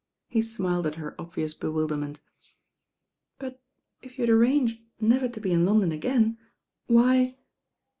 He smiled at her obvious bewilderment. "But if you had arranged never to be in London again, why